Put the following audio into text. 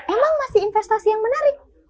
emang masih investasi yang menarik